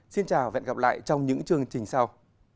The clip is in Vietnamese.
xin chào và hẹn gặp lại trong những chương trình sau